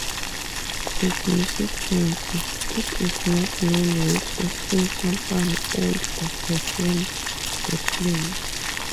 Significantly, it is not known which acting company owned or performed the play.